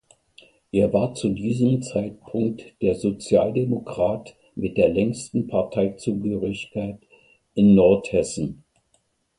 Er war zu diesem Zeitpunkt der Sozialdemokrat mit der längsten Parteizugehörigkeit in Nordhessen.